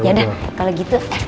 yaudah kalau gitu